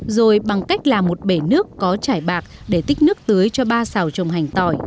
rồi bằng cách làm một bể nước có chải bạc để tích nước tưới cho ba sảo trồng hành